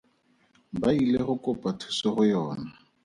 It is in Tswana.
Ba ile go kopa thuso go yona.